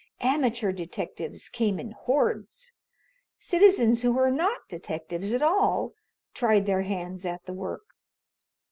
Amateur detectives came in hordes. Citizens who were not detectives at all tried their hands at the work.